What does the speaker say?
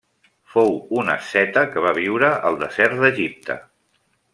Fou un asceta que va viure al desert d'Egipte.